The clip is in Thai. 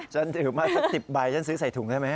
ฉันถือมาสัก๑๐ใบฉันซื้อใส่ถุงได้ไหม